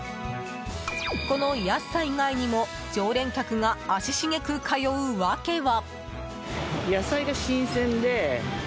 この安さ以外にも常連客が足しげく通う訳は。